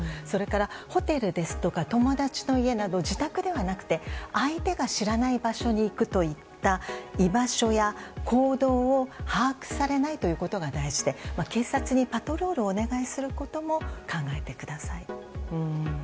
それからホテルですとか友達の家など自宅ではなくて相手が知らない場所に行くといった居場所や行動を把握されないことが大事で警察にパトロールをお願いすることも考えてください。